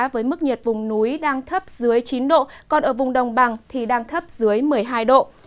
với mức nhiệt vùng núi đang thấp dưới chín độ còn ở vùng đồng bằng thì đang thấp dưới một mươi hai độ